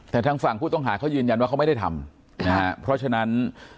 แต่ทางฝั่งผู้ต้องหาเขายืนยันว่าเขาไม่ได้ทำนะฮะเพราะฉะนั้น